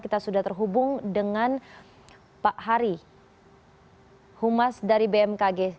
kita sudah terhubung dengan pak hari humas dari bmkg